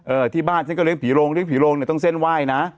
ที่บ้านฉันก็เลี้ยผีโรงเลี้ยผีโรงเนี่ยต้องเส้นไหว้นะ